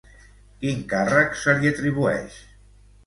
Quin càrrec se li atribueix?